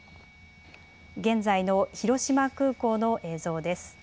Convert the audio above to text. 現在の広島空港の映像です。